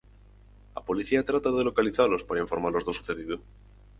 A policía trata de localizalos para informalos do sucedido.